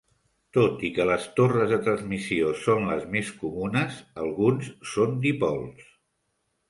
Tot i que les torres de transmissió són les més comunes, alguns són dipols.